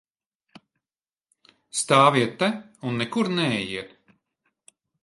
Stāviet te un nekur neejiet!